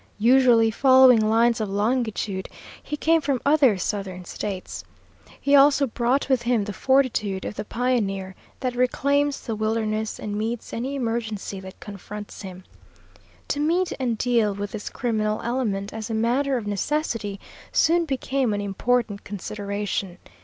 Usually following lines of longitude, he came from other Southern States. He also brought with him the fortitude of the pioneer that reclaims the wilderness and meets any emergency that confronts him. To meet and deal with this criminal element as a matter of necessity soon became an important consideration.